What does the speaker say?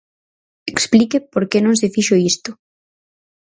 Explique por que non se fixo isto.